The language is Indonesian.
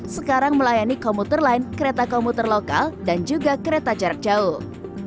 sekarang melayani komuter lain kereta komuter lokal dan juga kereta jarak jauh